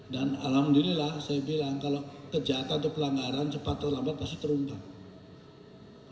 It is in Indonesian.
dan alhamdulillah saya bilang kalau kejahatan atau pelanggaran cepat atau lambat pasti terumpah